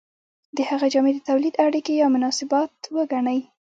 د هغه جامې د تولید اړیکې یا مناسبات وګڼئ.